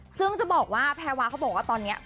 ซึ่งจะบอกว่าแพรวาเขาบอกว่าตอนนี้